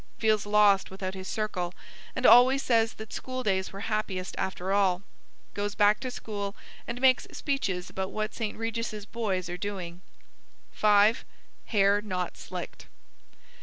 Feels lost without his circle, and always says that school days were happiest, after all. Goes back to school and makes speeches about what St. Regis's boys are doing. 5. Hair not slicked.